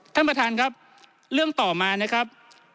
ท่านประธานครับเรื่องต่อมานะครับ